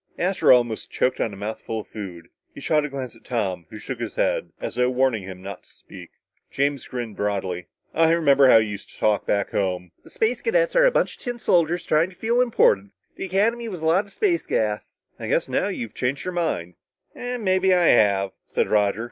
Astro almost choked on a mouthful of food. He shot a glance at Tom, who shook his head as though warning him not to speak. James grinned broadly. "I remember how you used to talk back home. The Space Cadets were a bunch of tin soldiers trying to feel important. The Academy was a lot of space gas. I guess, now, you've changed your mind." "Maybe I have," said Roger.